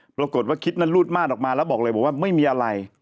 ปรากฏว่าคลิปนั้นรูดม่านออกมาแล้วบอกเลยบอกว่าไม่มีอะไร